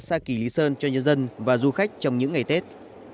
xa kỳ lý sơn cho nhân dân và du khách trong những ngày tết